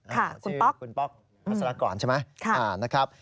คุณป๊อกคุณป๊อกพัสรากรใช่ไหมนะครับ